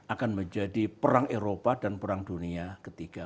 akan menjadi perang eropa dan perang dunia ketiga